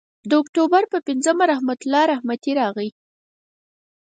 د اکتوبر پر پینځمه رحمت الله رحمتي راغی.